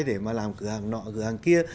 để mà làm cửa hàng nọ cửa hàng kia